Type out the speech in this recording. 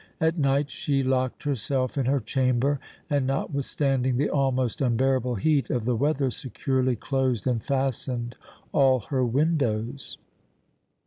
At night she locked herself in her chamber, and, notwithstanding the almost unbearable heat of the weather, securely closed and fastened all her windows.